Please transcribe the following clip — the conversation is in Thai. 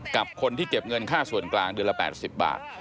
กับคนที่เก็บเงินค่าส่วนกลางเดือนละ๘๐บาท